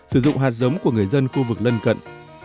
sử dụng hạt giống của người dân khu vực lân cận